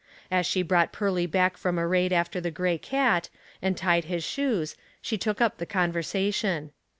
As she brou.ht Pearly back from a raid after the gray cat, and tied his shoes, she took up the conversation.